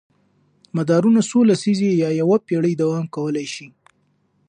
مدارونه څو لسیزې یا یوه پېړۍ دوام کولی شي.